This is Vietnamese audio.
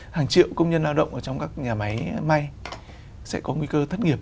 hàng triệu công nhân lao động ở trong các nhà máy may sẽ có nguy cơ thất nghiệp